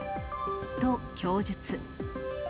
と供述。